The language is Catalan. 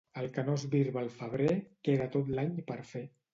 El que no es birba al febrer, queda tot l'any per fer.